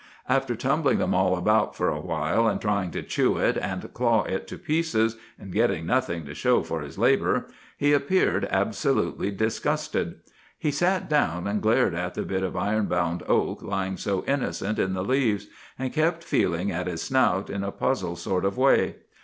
"'After tumbling the mall about for a while, trying to chew it and claw it to pieces, and getting nothing to show for his labor, he appeared absolutely disgusted. He sat down and glared at the bit of iron bound oak lying so innocent in the leaves, and kept feeling at his snout in a puzzled sort of way.